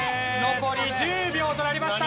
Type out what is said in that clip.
残り１０秒となりました。